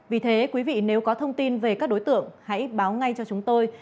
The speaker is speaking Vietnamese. vì thế quý vị nếu có thông tin về các đối tượng hãy báo ngay cho chúng tôi